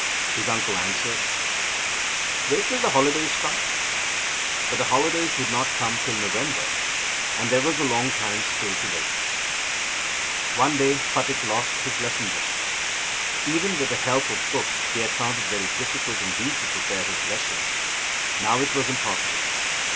His uncle answered; "Wait till the holidays come." But the holidays would not come till November, and there was a long time still to wait. One day Phatik lost his lesson book. Even with the help of books he had found it very difficult indeed to prepare his lesson. Now it was impossible.